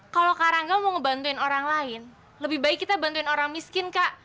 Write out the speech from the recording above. kalau kak rangga mau ngebantuin orang lain lebih baik kita bantuin orang miskin kak